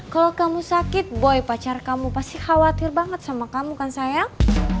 kalau kamu sakit boy pacar kamu pasti khawatir banget sama kamu kan sayang